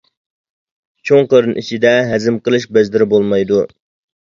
چوڭ قېرىن ئىچىدە ھەزىم قىلىش بەزلىرى بولمايدۇ.